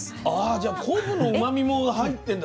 じゃあ昆布のうまみも入ってんだ。